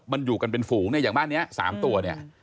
มันอยู่กันเป็นฝูงอย่างบ้านนี้๓ตัว